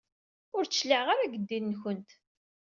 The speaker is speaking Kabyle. Ur d-cliɛeɣ ara seg ddin-nkent.